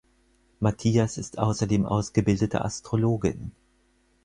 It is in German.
Matthias ist außerdem ausgebildete Astrologin.